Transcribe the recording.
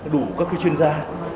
đủ các chuyên gia